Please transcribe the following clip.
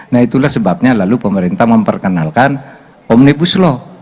nah itulah sebabnya lalu pemerintah memperkenalkan omnibus law